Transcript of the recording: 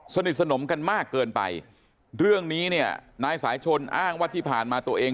สนิทสนมกันมากเกินไปเรื่องนี้เนี่ยนายสายชนอ้างว่าที่ผ่านมาตัวเอง